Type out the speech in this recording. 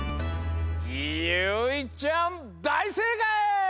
ゆいちゃんだいせいかい！